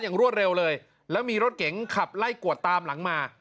รวดเร็วเลยแล้วมีรถเก๋งขับไล่กวดตามหลังมา